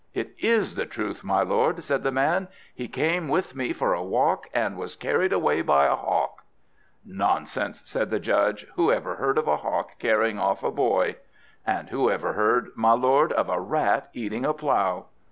"It is the truth, my lord," said the man; "he came with me for a walk, and was carried away by a hawk." "Nonsense!" said the judge. "Who ever heard of a hawk carrying off a boy?" "And who ever heard, my lord, of a rat eating a plough?"